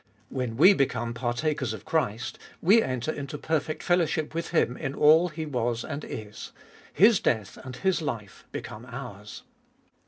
When we become partakers of Christ, we enter into perfect fellowship with Him in all He was and is ; His death and His life become ours.